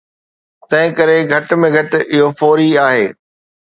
تنهنڪري گهٽ ۾ گهٽ اهو فوري آهي